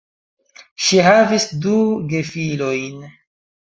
Ŝi havis du gefilojn.